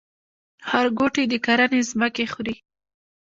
ښارګوټي د کرنې ځمکې خوري؟